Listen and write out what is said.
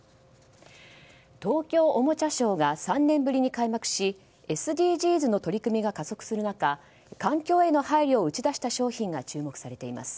東京おもちゃショーが３年ぶりに開幕しＳＤＧｓの取り組みが加速する中環境への配慮を打ち出した商品が注目されています。